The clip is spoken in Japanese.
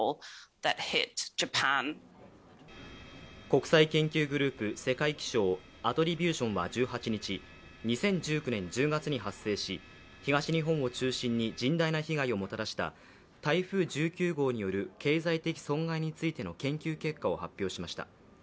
国際研究グループ、世界気象アトリビューションは１８日、２０１９年１０月に発生し、東日本を中心に甚大な被害をもたらした台風１９号による経済的損害についての研究結果を発表しました。